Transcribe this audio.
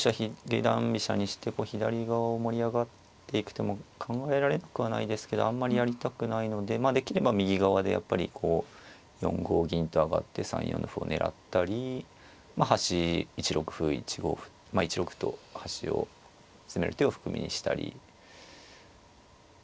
下段飛車にして左側を盛り上がっていく手も考えられなくはないですけどあんまりやりたくないのでできれば右側でやっぱりこう４五銀と上がって３四の歩を狙ったり端１六歩１五歩まあ１六歩と端を攻める手を含みにしたり。